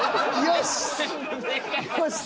よし！